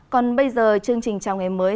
còn bây giờ chương trình chào ngày mới